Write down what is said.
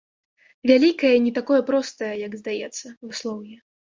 Вялікае і не такое простае, як здаецца, выслоўе.